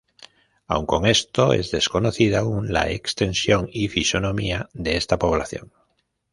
Aún con esto es desconocida aún la extensión y fisonomía de esta población.